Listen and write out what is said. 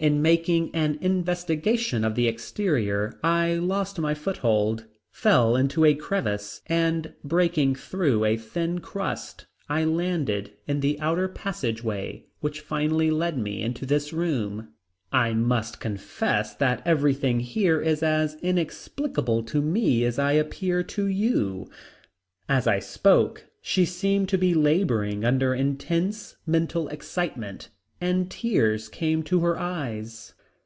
In making an investigation of the exterior I lost my foothold, fell into a crevice and breaking through a thin crust I landed in the outer passageway which finally led me into this room. I must confess that everything here is as inexplicable to me as I appear to you." As I spoke she seemed to be laboring under intense mental excitement and tears came to her eyes.